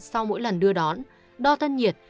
sau mỗi lần đưa đón đo thân nhiệt